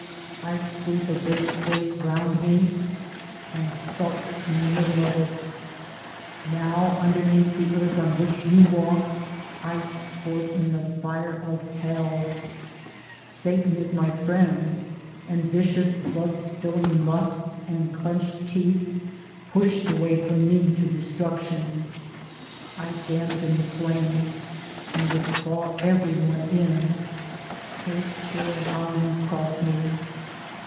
I sweep a great space round me and sulk in the middle of it. 1 8 Towards Democracy Now underneath the earth on which you walk I sport in the fire of Hell ; Satan is my friend and vicious blood spilling lusts and clenched teeth push the way for me to destruction. I dance in the flames and will claw every one in : take care how you cross me